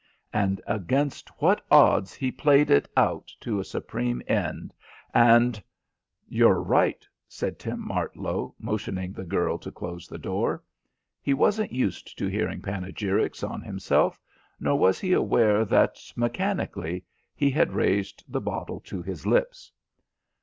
And against what odds he played it out to a supreme end, and " "You're right," said Tim Martlow, motioning the girl to close the door. He wasn't used to hearing panegyrics on himself, nor was he aware that, mechanically, he had raised the bottle to his lips.